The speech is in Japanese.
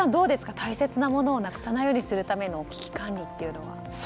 大切なものをなくさないようにするための危機管理っていうのは。